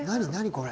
これ。